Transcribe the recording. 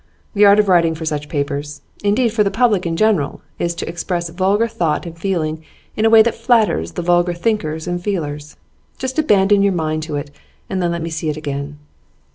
The art of writing for such papers indeed, for the public in general is to express vulgar thought and feeling in a way that flatters the vulgar thinkers and feelers. Just abandon your mind to it, and then let me see it again.